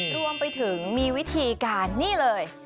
รวมไปถึงมีวิธีการนี่เลย